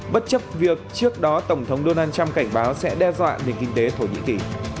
bất chấp việc trước đó tổng thống donald trump cảnh báo sẽ đe dọa nền kinh tế thổ nhĩ kỳ